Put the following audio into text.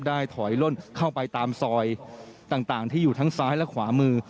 ถอยล่นเข้าไปตามซอยต่างที่อยู่ทั้งซ้ายและขวามือ